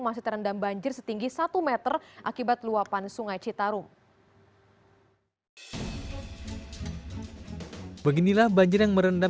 masih terendam banjir setinggi satu meter akibat luapan sungai citarum